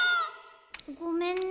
ごめんね。